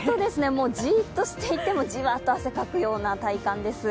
もうじっとしていてもジワッと汗をかくような体感です。